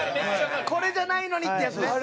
これじゃないのに！ってやつね。